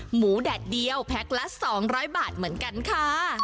หมูแดดเดียวแพ็คละ๒๐๐บาทเหมือนกันค่ะ